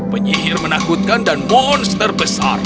penyihir menakutkan dan monster besar